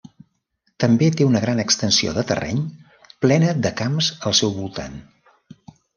També té una gran extensió de terreny plena de camps al seu voltant.